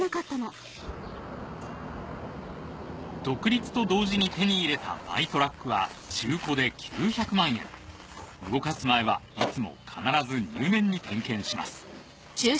独立と同時に手に入れたマイトラックは中古で９００万円動かす前はいつも必ず入念に点検します